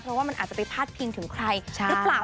เพราะว่ามันอาจจะไปพาดพิงถึงใครหรือเปล่า